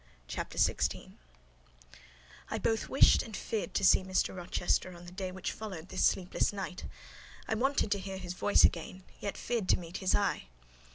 CHAPTER XVI I both wished and feared to see Mr. Rochester on the day which followed this sleepless night: I wanted to hear his voice again, yet feared to meet his eye.